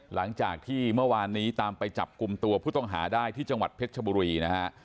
หลังจากที่เมื่อวานนี้ตามไปจับกลุ่มตัวผู้ต้องหาได้ที่จังหวัดเพชรชบุรีนะฮะ